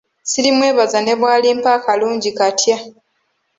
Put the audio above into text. Sirimwebaza ne bw’alimpa akalungi katya.